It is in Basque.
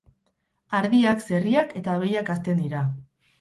Ardiak, zerriak eta behiak hazten dira.